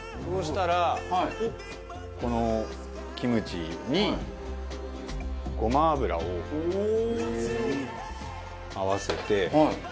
そうしたらこのキムチにごま油を合わせてあえてしまい。